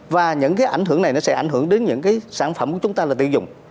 và những cái ảnh hưởng này nó sẽ ảnh hưởng đến những cái sản phẩm của chúng ta là tiêu dùng